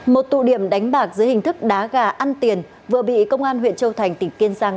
một tụ điểm đánh bạc dưới hình thức đá gà ăn tiền vừa bị công an huyện châu thành tỉnh kiên giang